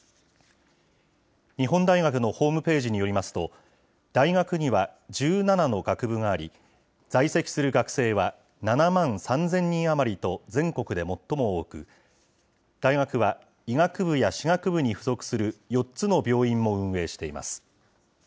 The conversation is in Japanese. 日本大学のホームページによりますと、大学には１７の学部があり、在籍する学生は７万３０００人余りと全国で最も多く、大学は、医学部や歯学部に付属する４つの病院も運営しています。